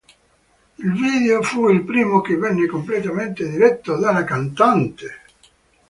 Il video fu il primo che venne completamente diretto dalla cantante.